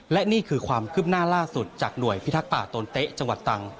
และนี่คือความคืบหน้าล่าสุดจากหน่วยพิทักษ์ป่าตนเต๊ะจังหวัดตรัง